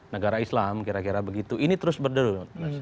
negara islam kira kira begitu ini terus berderut